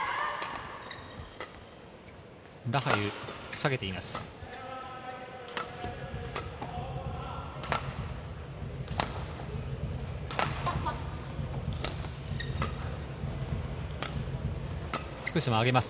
ラハユ下げています。